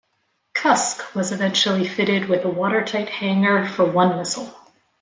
"Cusk" was eventually fitted with a watertight hangar for one missile.